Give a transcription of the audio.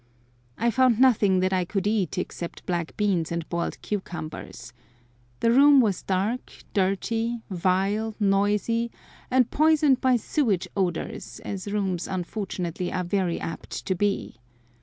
I found nothing that I could eat except black beans and boiled cucumbers. The room was dark, dirty, vile, noisy, and poisoned by sewage odours, as rooms unfortunately are very apt to be.